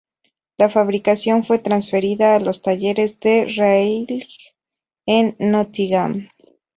La fabricación fue transferida a los talleres de Raleigh en Nottingham.